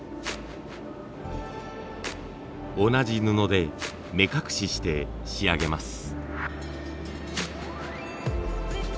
同じ布で目隠しして仕上げます。